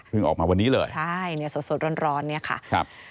เพิ่งออกมาวันนี้เลยใช่สดร้อนนี่ค่ะ